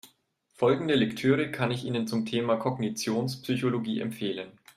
Folgende Lektüre kann ich Ihnen zum Thema Kognitionspsychologie empfehlen.